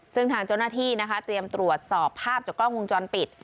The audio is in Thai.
ซึ่งทางเจ้าหน้าที่นะคะเตรียมตรวจสอบภาพจากกล้องวงจรปิด